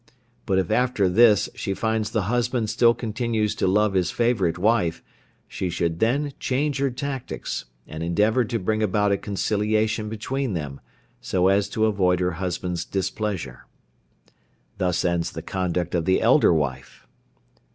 But if after all this she finds the husband still continues to love his favourite wife she should then change her tactics, and endeavour to bring about a conciliation between them, so as to avoid her husband's displeasure. Thus ends the conduct of the elder wife.